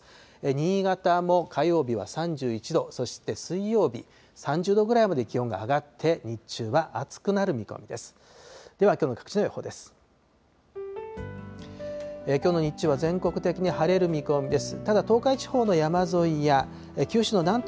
新潟も火曜日は３１度、そして水曜日、３０度ぐらいまで気温が上がって、日中は暑くなる見込みです。